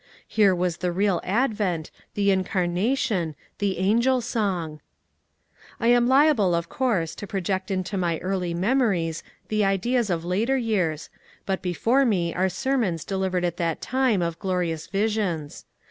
Here was the real Advent, the Incarnation, the Angel song I I am liable of course to project into my early memories the ideas of later years, but before me are sermons delivered at that time of glorious visions.